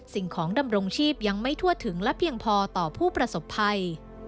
สิ่งของดำรงชีพยังไม่ทั่วถึงและเพียงพอต่อผู้ประสบภัย